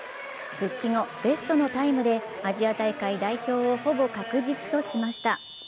復帰後、ベストのタイムでアジア大会代表をほぼ確実としました。